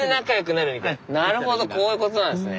なるほどこういうことなんですね。